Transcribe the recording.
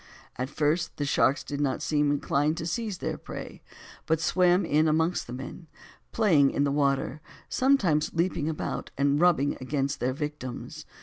At first the sharks did not seem inclined to seize their prey, but swam in amongst the men, playing in the water, sometimes leaping about and rubbing against their victims.